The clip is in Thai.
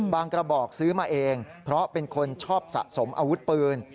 กระบอกซื้อมาเองเพราะเป็นคนชอบสะสมอาวุธปืน